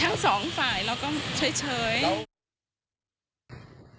ทั้งสองฝ่ายเราก็เฉย